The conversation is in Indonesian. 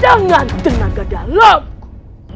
dengan tenaga dalamku